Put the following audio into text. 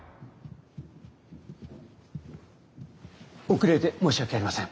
遅れて申し訳ありません。